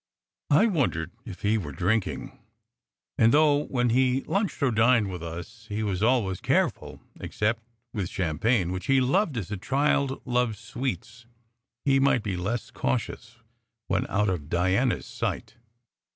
I wondered if he were drinking; and though, when he lunched or dined with us he was always careful (except with champagne, which he loved as a child loves swe, ets), he might be less cautious when out of Diana s sight.